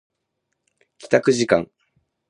帰宅時間